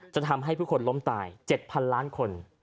จะทำให้ผู้คนล้มตาย๗๐๐ล้านคน